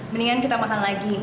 mendingan kita makan lagi